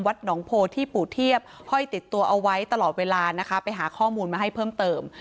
หนองโพที่ปู่เทียบห้อยติดตัวเอาไว้ตลอดเวลานะคะไปหาข้อมูลมาให้เพิ่มเติม